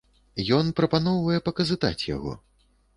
Ён прапаноўвае паказытаць яго.